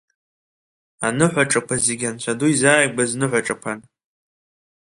Аныҳәаҿақәа зегьы Анцәа ду изааигәаз ныҳәаҿақәан…